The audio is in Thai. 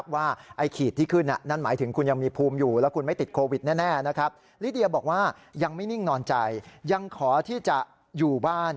ว่ายังไม่นิ่งนอนใจยังขอที่จะอยู่บ้าน